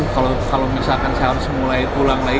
kalau misalkan saya harus mulai pulang lagi